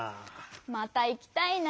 またいきたいなぁ。